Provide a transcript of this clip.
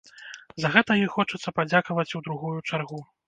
За гэта ёй хочацца падзякаваць у другую чаргу.